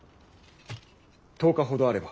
１０日ほどあれば。